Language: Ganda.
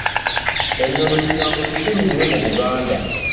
Ennono kigambo kikulu nnyo mu Buganda.